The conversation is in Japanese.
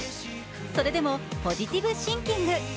それでもポジティブシンキング。